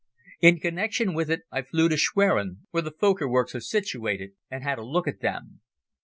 In connection with it I flew to Schwerin, where the Fokker works are situated, and had a look at them.